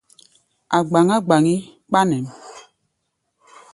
A̧ gbaŋgá gbaŋgi kpa nɛ̌ʼm.